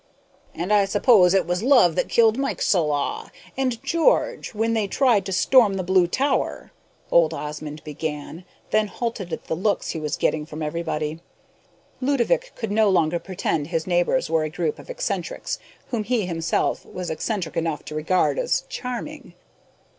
"And I suppose it was love that killed Mieczyslaw and George when they tried to storm the Blue Tower " old Osmond began, then halted at the looks he was getting from everybody. Ludovick could no longer pretend his neighbors were a group of eccentrics whom he himself was eccentric enough to regard as charming.